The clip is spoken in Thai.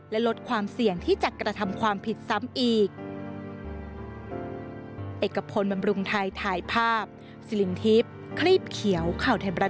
และลดความเสี่ยงที่จะกระทำความผิดซ้ำอีก